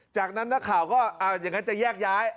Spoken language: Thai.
จากนั้นนักข่าวก็อย่างนั้นจะแยกย้าย